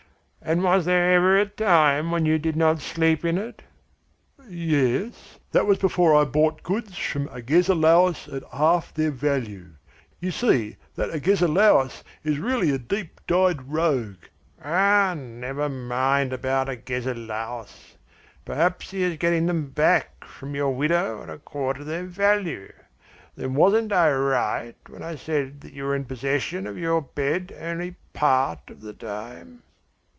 "And was there ever a time when you did not sleep in it?" "Yes. That was before I bought goods from Agesilaus at half their value. You see, that Agesilaus is really a deep dyed rogue " "Ah, never mind about Agesilaus! Perhaps he is getting them back, from your widow at a quarter their value. Then wasn't I right when I said that you were in possession of your bed only part of the time?"